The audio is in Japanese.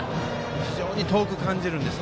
非常に遠く感じるんですね。